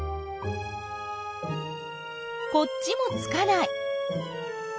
こっちもつかない。